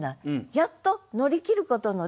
やっと乗り切ることのできる。